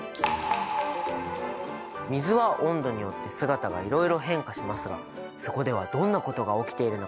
水は温度によって姿がいろいろ変化しますがそこではどんなことが起きているのか！？